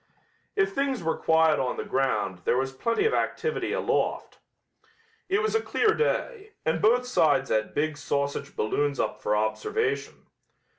If things were quiet on the ground there was plenty of activity aloft. It was a clear day, and both sides had big sausage balloons up for observation.